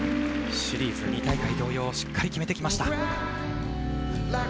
シリーズ２大会同様しっかり決めてきました。